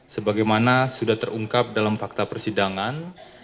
sebagaimana sudah terungkap dalam fakta persidangan